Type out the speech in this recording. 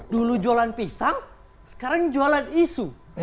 dulu jualan pisang sekarang jualan isu